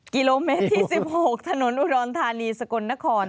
กิโลเมตรที่๑๖ถนนอุดรธานีสกลนคร